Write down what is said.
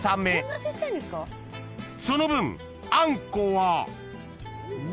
［その分あんこは］